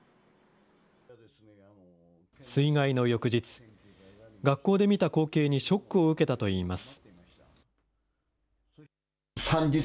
水害の翌日、学校で見た光景にショックを受けたといいます。